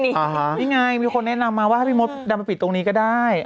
นี่ไงมีคนแนะนำมาว่าให้พี่มดดำไปปิดตรงนี้ก็ได้